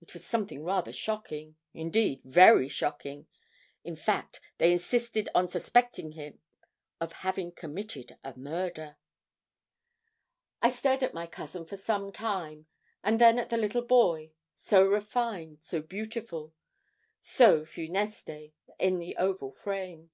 It was something rather shocking indeed, very shocking; in fact, they insisted on suspecting him of having committed a murder.' I stared at my cousin for some time, and then at the little boy, so refined, so beautiful, so funeste, in the oval frame.